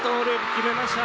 決めました。